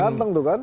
ganteng itu kan